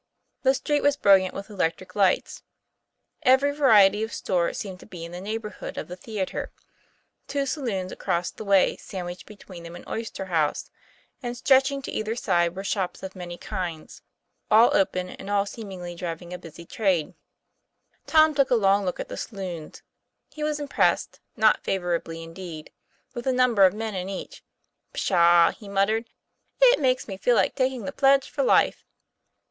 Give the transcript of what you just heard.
The street was brilliant with electric lights. Every variety of store seemed to be in the neighborhood of the theatre. Two saloons across the way sand wiched between them an oyster house ; and stretch ing to either side were shops of many kinds, all open all seemingly driving a busy trade. TOM PLAYFAIR. 135 Tom took a long look at the saloons. He was impressed, not favorably indeed, with the number of men in each. "Pshaw!' he muttered. ' It makes me feel like taking the pledge for life."